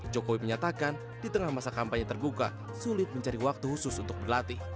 jokowi menyatakan di tengah masa kampanye terbuka sulit mencari waktu khusus untuk berlatih